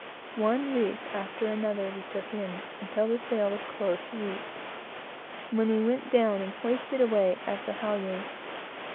One reef after another we took in, until the sail was close reefed, when we went down and hoisted away at the halyards.